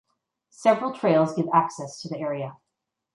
Several trails give access to the area.